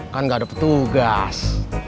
kan gak ada petugas